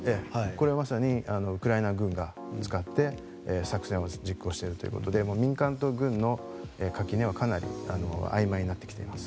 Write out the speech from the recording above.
これはまさにウクライナ軍が使って作戦を実行しているということで民間と軍の垣根は、かなりあいまいになってきています。